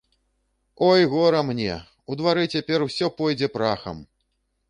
Ой, гора мне, у дварэ цяпер усё пойдзе прахам!